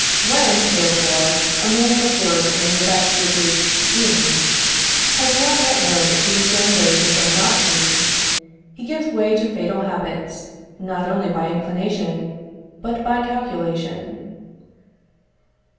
When, therefore, a man, absorbed in the effect which is seen, has not yet learned to discern those which are not seen, he gives way to fatal habits, not only by inclination, but by calculation.